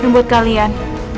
dan buat kalian